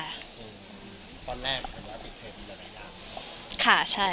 อย่างกับครอบครัวใช่มั้ยอ๊ะ